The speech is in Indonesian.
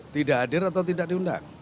tidak hadir atau tidak diundang